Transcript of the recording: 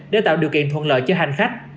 để tạo điều kiện thuận lợi cho hành khách